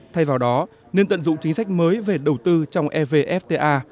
thay vào đó nên tận dụng chính sách mới về đầu tư trong evfta